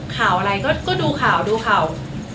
ข่าวอะไรก็ดูข่าวดูข่าว